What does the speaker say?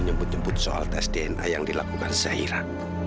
nyebut nyebut soal tes dna yang dilakukan zairan